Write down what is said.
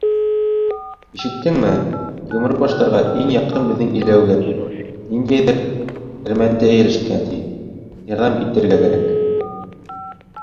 — Ишеттеңме, Йомро Баштарға иң яҡын беҙҙең иләүғә, ниндәйҙер әрмәнде эйәләшкән, ти. ярҙам итергә кәрәк.